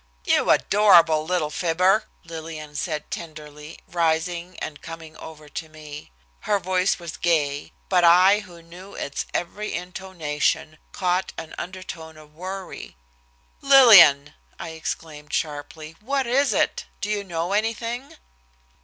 "You adorable little fibber!" Lillian said tenderly, rising, and coming over to me. Her voice was gay, but I who knew its every intonation, caught an undertone of worry. "Lillian!" I exclaimed sharply. "What is it? Do you know anything?"